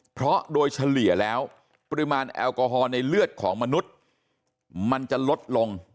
เพราะโดยเฉลี่ยแล้วปริมาณแอลกอฮอล์ในเลือดของมนุษย์มันจะลดลง